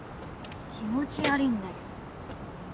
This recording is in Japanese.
気持ち悪いんだけど。